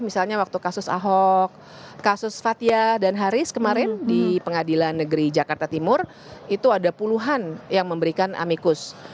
misalnya waktu kasus ahok kasus fathia dan haris kemarin di pengadilan negeri jakarta timur itu ada puluhan yang memberikan amikus